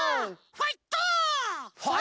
ファイト！